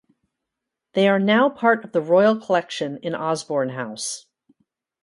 They are now part of the Royal Collection in Osborne House.